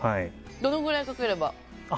どのぐらいかければ？